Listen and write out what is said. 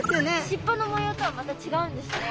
しっぽの模様とはまた違うんですね。